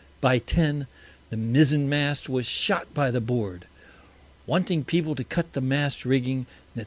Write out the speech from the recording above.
By Ten, the Mizen mast was shot by the Board. Wanting People to cut the Mast Rigging, _&c.